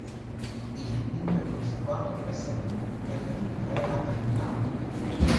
Il dipinto è conservato presso la Pinacoteca di Brera a Milano.